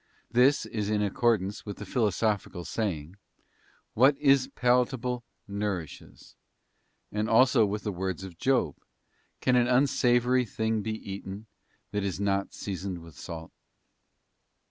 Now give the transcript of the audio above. This is in accordance with the philo sophical saying, What is palatable nourishes; and also with the words of Job, 'Can an unsavoury thing be eaten that is not seasoned with salt